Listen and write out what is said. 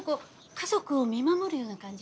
家族を見守るような感じ？